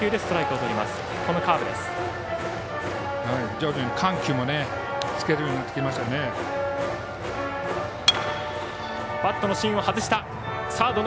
徐々に緩急もつけれるようになってきました。